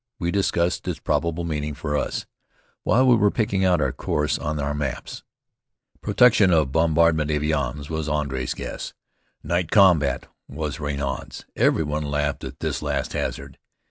We discussed its probable meaning for us, while we were pricking out our course on our maps. "Protection of bombardment avions" was André's guess. "Night combat" was Raynaud's. Every one laughed at this last hazard.